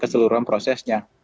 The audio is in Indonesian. jadi seluruh prosesnya